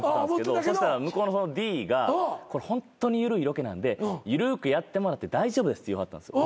そしたら向こうのＤがこれホントに緩いロケなんで緩くやってもらって大丈夫ですって言わはったんですよ。